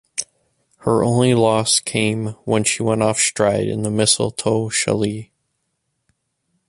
Her only loss came when she went off stride in the Mistletoe Shalee.